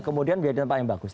kemudian melihat tempat yang bagus